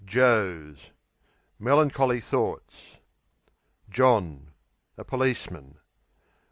Joes Melancholy thoughts. John A policeman.